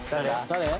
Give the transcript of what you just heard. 「誰？」